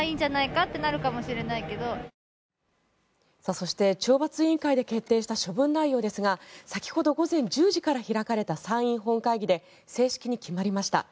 そして懲罰委員会で決定した処分内容ですが先ほど午前１０時から開かれた参院本会議で正式に決まりました。